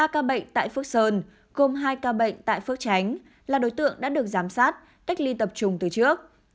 ba ca bệnh tại phước sơn gồm hai ca bệnh tại phước tránh là đối tượng đã được giám sát cách ly tập trung từ trước